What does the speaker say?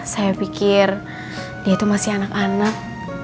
saya pikir dia itu masih anak anak